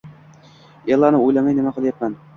Ellani o`ylamay, nima qilyapman